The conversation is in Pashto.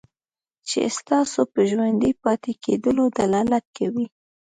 چې ستاسو په ژوندي پاتې کېدلو دلالت کوي.